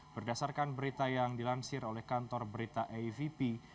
berdasarkan berita yang dilansir oleh kantor berita avp